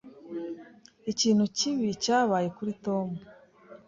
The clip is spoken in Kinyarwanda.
Ikintu kibi cyabaye kuri Tom.